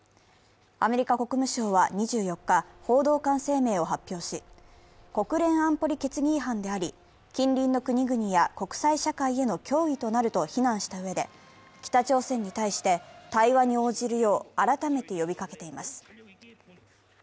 アメリカ国務省は２４日、報道官声明を発表し、国連安保理決議違反であり、近隣の国々や国際社会への脅威となると非難したうえで北朝鮮に対して対話に応じるよう改めて呼びかけています。